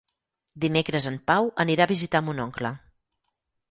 Dimecres en Pau anirà a visitar mon oncle.